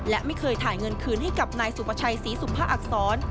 และไม่เคยถ่ายเงินคืนให้กับนายสุประชัยศรีสุมภาอักษร